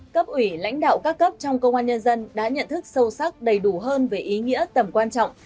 cấp ủy lãnh đạo các cấp trong công an nhân dân đã nhận thức sâu sắc đầy đủ hơn về ý nghĩa tầm quan trọng